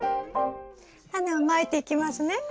タネをまいていきますね。